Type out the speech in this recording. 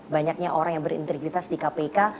banyaknya orang yang berintegritas di kpk